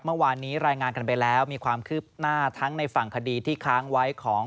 เมื่อวานนี้รายงานกันไปแล้วมีความคืบหน้าทั้งในฝั่งคดีที่ค้างไว้ของ